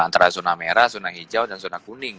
antara zona merah zona hijau dan zona kuning